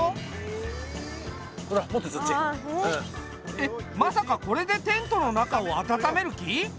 えっまさかこれでテントの中を温める気？